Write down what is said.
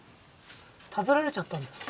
食べられちゃったんですか？